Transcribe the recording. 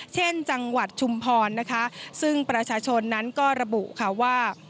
เช่นจังหวัดชุมพรนะคะซึ่งประชาชนนั้นก็ระบุค่ะว่า